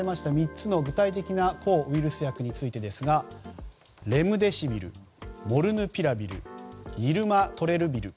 ３つの具体的な抗ウイルス薬はレムデシビル、モルヌピラビルニルマトレルビル。